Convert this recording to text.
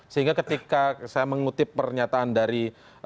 sehingga ketika saya mengutip pernyataan dari